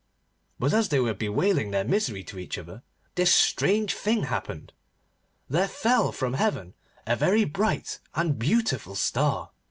But as they were bewailing their misery to each other this strange thing happened. There fell from heaven a very bright and beautiful star.